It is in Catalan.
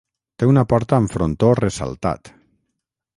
Té una porta amb frontó ressaltat.